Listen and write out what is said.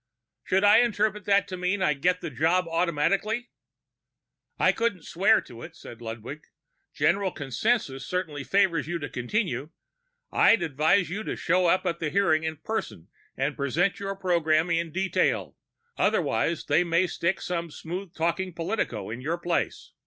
"Should I interpret that to mean I get the job automatically?" "I couldn't swear to it," said Ludwig. "General consensus certainly favors you to continue. I'd advise that you show up at the hearing in person and present your program in detail; otherwise they may stick some smooth talking politico in your place.